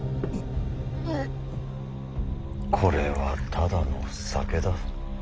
これはただの酒だ。